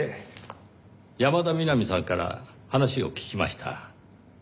山田みなみさんから話を聞きました。